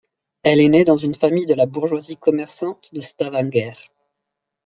Elle est née dans une famille de la bourgeoisie commerçante de Stavanger.